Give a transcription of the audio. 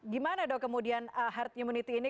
gimana dok kemudian herd immunity ini